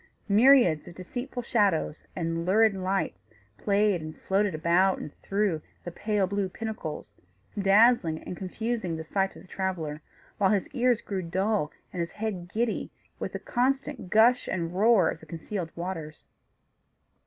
Myriads of deceitful shadows, and lurid lights, played and floated about and through the pale blue pinnacles, dazzling and confusing the sight of the traveller; while his ears grew dull and his head giddy with the constant gush and roar of the concealed waters.